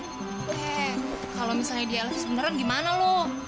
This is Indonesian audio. he kalau misalnya dia elvis beneran gimana lo